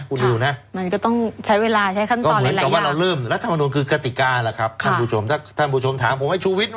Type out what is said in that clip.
คุณดิวนะมันก็ต้องใช้เวลาใช้ขั้นตอนหลายหลายอย่างก็เหมือนกับว่าเราเริ่ม